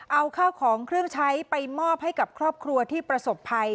เอาข้าวของเครื่องใช้ไปมอบให้กับครอบครัวที่ประสบภัย